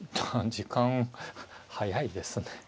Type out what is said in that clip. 時間速いですね。